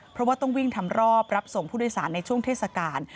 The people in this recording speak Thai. เพราะว่าต้องวิ่งทำรอบรับส่งผู้โดยสารในช่วงเทศกาล